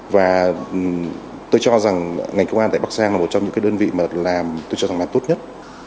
và tôi cho rằng ngành công an tại bắc giang là một trong những cái đơn vị mà làm tôi cho rằng là tốt nhất